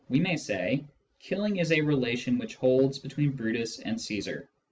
g. we may say, " Killing is a relation which holds between Brutus and Caesar."